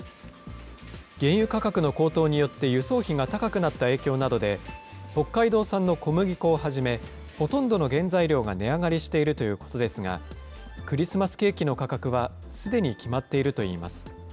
原油価格の高騰によって輸送費が高くなった影響などで、北海道産の小麦粉をはじめ、ほとんどの原材料が値上がりしているということですが、クリスマスケーキの価格はすでに決まっているといいます。